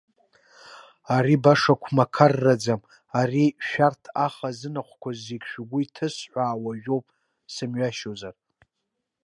Ари баша қәмақарраӡам, ари шәарҭ ахазынахәқәа зегьы шәгәы иҭысҳәаауа ажәоуп сымҩашьозар.